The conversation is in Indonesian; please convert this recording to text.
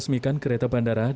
di mana juga diperlukan perusahaan